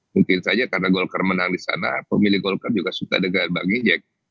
mungkin saja karena golkar menang di sana pemilih golkar juga suka dengan bang gijek